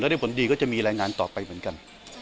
ได้ผลดีก็จะมีรายงานต่อไปเหมือนกัน